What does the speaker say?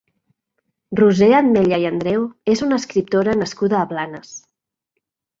Roser Atmetlla i Andreu és una escriptora nascuda a Blanes.